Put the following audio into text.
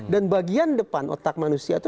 dan bagian depan otak manusia itu